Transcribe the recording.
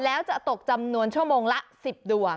แล้วจะตกจำนวนชั่วโมงละ๑๐ดวง